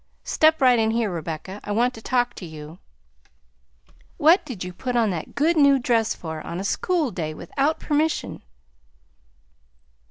Step right in here, Rebecca; I want to talk to you. What did you put on that good new dress for, on a school day, without permission?"